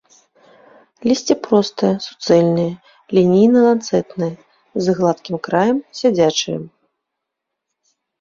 Лісце простае, суцэльнае, лінейна-ланцэтнае, з гладкім краем, сядзячае.